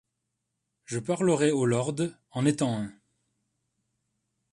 Je parlerai aux lords, en étant un.